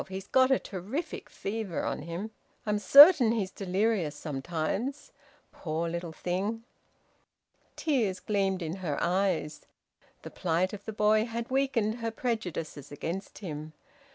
He's got a terrific fever on him. I'm certain he's delirious sometimes. Poor little thing!" Tears gleamed in her eyes. The plight of the boy had weakened her prejudices against him.